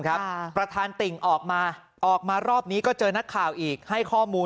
ประธานติ่งออกมาออกมารอบนี้ก็เจอนักข่าวอีกให้ข้อมูล